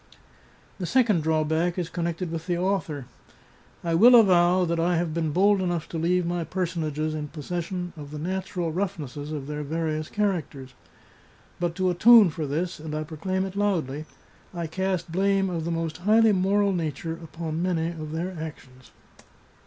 The second drawback is connected with the author. I will avow that I have been bold enough to leave my personages in possession of the natural roughnesses of their various characters. But to atone for this — and I proclaim it loudly — I cast blame of the most highly moral nature upon many of their actions.